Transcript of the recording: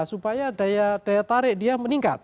supaya daya tarik dia meningkat